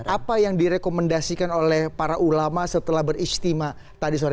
apa yang direkomendasikan oleh para ulama setelah beristimewa tadi sore